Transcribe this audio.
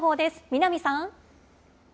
南さん。